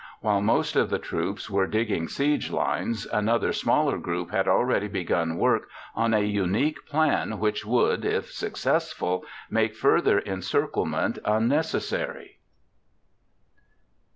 While most of the troops were digging siege lines, another smaller group had already begun work on a unique plan which would, if successful, make further encirclement unnecessary.